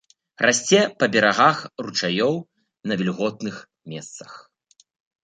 Расце па берагах ручаёў на вільготных месцах.